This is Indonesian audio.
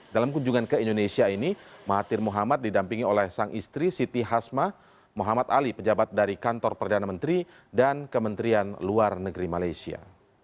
dalam kunjungan ke indonesia ini mahathir muhammad didampingi oleh sang istri siti hasma muhammad ali pejabat dari kantor perdana menteri dan kementerian luar negeri malaysia